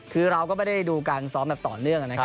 คือเราก็ไม่ได้ดูการซ้อมต่อเนื่อง